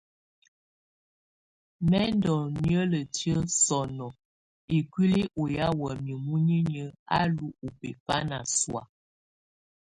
Mɛ̀ ndù niǝ́lǝtiǝ́ sɔ̀nɔ̀ ikuili ɔ ya wamɛ̀á munyinyǝ á lù ɔbɛfana sɔ̀á.